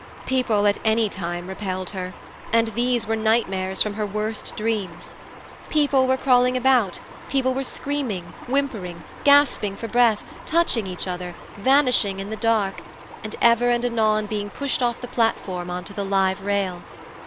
People at any time repelled her, and these were nightmares from her worst dreams. People were crawling about, people were screaming, whimpering, gasping for breath, touching each other, vanishing in the dark, and ever and anon being pushed off the platform on to the live rail.